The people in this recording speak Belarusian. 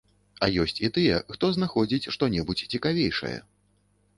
А ёсць і тыя, хто знаходзіць што-небудзь цікавейшае.